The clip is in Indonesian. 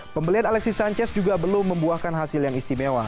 pembelian alexis sanchez juga belum membuahkan hasil yang istimewa